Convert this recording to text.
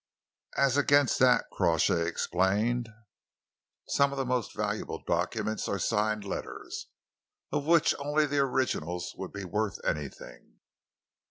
"As against that," Crawshay explained, "some of the most valuable documents are signed letters, of which only the originals would be worth anything.